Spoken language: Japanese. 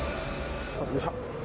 よいしょ。